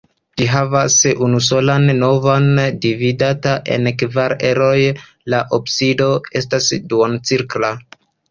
Ĝi havas unusolan navon, dividita en kvar eroj; la absido estas duoncirkla.